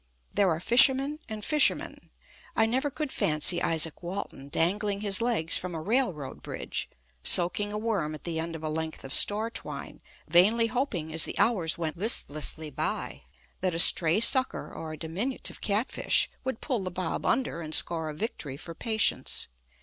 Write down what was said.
There are fishermen and fishermen. I never could fancy Izaak Walton dangling his legs from a railroad bridge, soaking a worm at the end of a length of store twine, vainly hoping, as the hours went listlessly by, that a stray sucker or a diminutive catfish would pull the bob under and score a victory for patience.